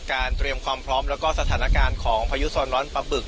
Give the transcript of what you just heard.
เตรียมความพร้อมแล้วก็สถานการณ์ของพายุโซนร้อนปลาบึก